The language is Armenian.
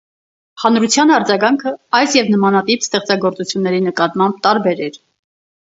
Հանրության արձագանքը այս և նմանատիպ ստեղծագործությունների նկատմամբ տարբեր էր։